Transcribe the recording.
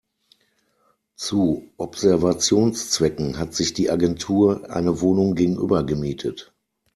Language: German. Zu Observationszwecken hat sich die Agentur eine Wohnung gegenüber gemietet.